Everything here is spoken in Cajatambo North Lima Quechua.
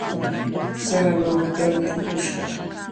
Sara lawatami upush kaa.